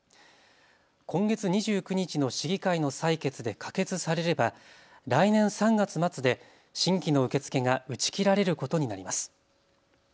今月２９日の市議会の採決で可決されれば来年３月末で新規の受け付けが打ち切られることになります。